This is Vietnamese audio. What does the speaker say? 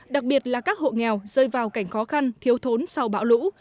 đặc biệt là các hộ nghèo rơi vào cảnh khó khăn thiếu thốn sau bão lũ